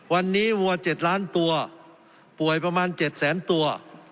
วันนี้วัว๗ล้านตัวป่วยประมาณ๗แสนตัว